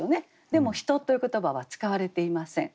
でも人という言葉は使われていません。